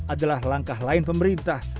adalah langkah lain pemerintah